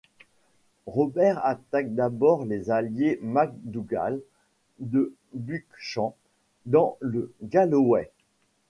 Robert attaque d'abord les alliés MacDougall de Buchan dans le Galloway.